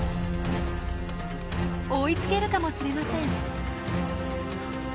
追いつけるかもしれません。